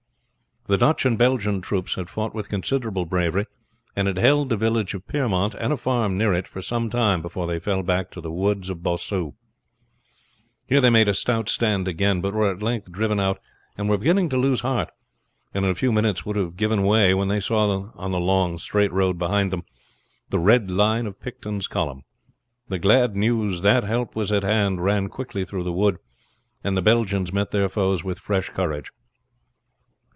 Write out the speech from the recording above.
The Dutch and Belgian troops had fought with considerable bravery, and had held the village of Piermont and a farm near it for some time before they fell back to the wood of Bossu. Here they make a stout stand again, but were at length driven out and were beginning to lose heart, and in a few minutes would have given way when they saw on the long straight road behind them the red line of Picton's column. The glad news that help was at hand ran quickly through the wood, and the Belgians met their foes with fresh courage.